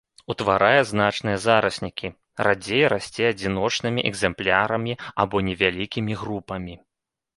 Утварае значныя зараснікі, радзей расце адзіночнымі экзэмплярамі або невялікімі групамі.